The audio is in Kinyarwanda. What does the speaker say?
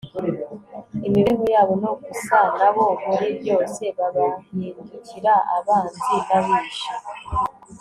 imibereho yabo no gusa na bo muri byose, babahindukira abanzi n'abishi